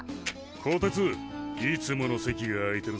こてついつもの席が空いてるぜ。